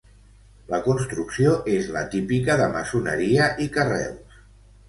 La construcció és la típica de maçoneria i carreus.